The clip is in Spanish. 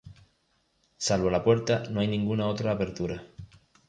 Salvo la puerta, no hay ninguna otra apertura.